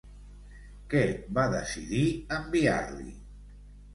Què va decidir enviar-li?